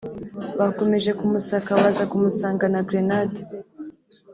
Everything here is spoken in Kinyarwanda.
Bakomeje kumusaka baza kumusangana grenade